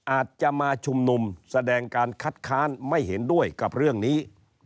อาจจะมาชุมนุมแสดงการคัดค้านไม่เห็นด้วยกับเรื่องนี้